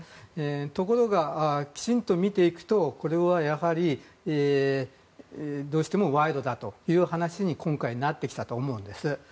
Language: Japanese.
ところが、きちんと見ていくとこれはやはり、どうしても賄賂だという話になってきたと思うんです。